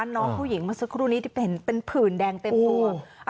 น้องผู้หญิงเมื่อสักครู่นี้ที่เป็นผื่นแดงเต็มตัว